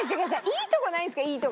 いいとこないんですか？